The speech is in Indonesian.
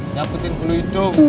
nyapetin bulu hidung